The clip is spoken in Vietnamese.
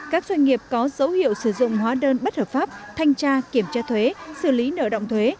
các doanh nghiệp có dấu hiệu sử dụng hóa đơn bất hợp pháp thanh tra kiểm tra thuế xử lý nợ động thuế